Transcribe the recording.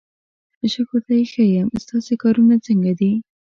شکر دی ښه یم، ستاسې کارونه څنګه دي؟